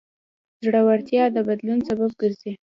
زړورتیا د بدلون سبب ګرځي.